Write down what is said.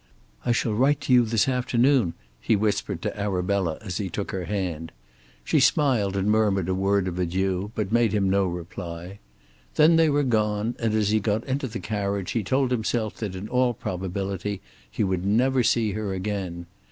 "I shall write to you this afternoon," he whispered to Arabella as he took her hand. She smiled and murmured a word of adieu, but made him no reply. Then they were gone, and as he got into the carriage he told himself that in all probability he would never see her again.